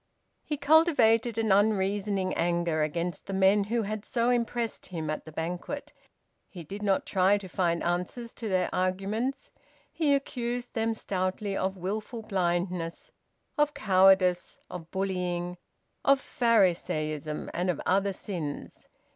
He cultivated an unreasoning anger against the men who had so impressed him at the banquet. He did not try to find answers to their arguments. He accused them stoutly of wilful blindness, of cowardice, of bullying, of Pharisaism, and of other sins.